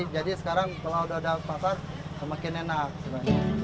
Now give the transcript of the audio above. jadi sekarang kalau sudah ada pasar semakin enak sebenarnya